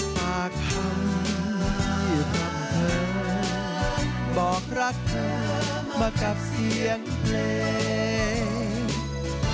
ปากคำกับเธอบอกรักเธอมากับเสียงเพลง